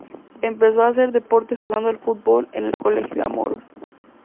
Empezó a hacer deporte jugando al fútbol en el Colegio Amorós.